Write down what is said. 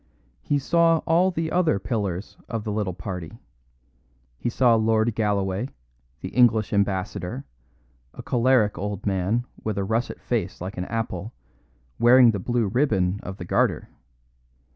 He saw all the other pillars of the little party; he saw Lord Galloway, the English Ambassador a choleric old man with a russet face like an apple, wearing the blue ribbon of the Garter.